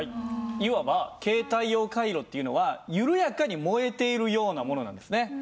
いわば携帯用カイロっていうのは緩やかに燃えているようなものなんですね。